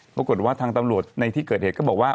ปรากฏว่าทางตำรวจในที่เกิดเหตุก็บอกว่า